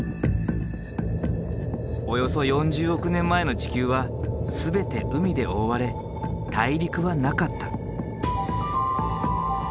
およそ４０億年前の地球は全て海で覆われ大陸はなかった。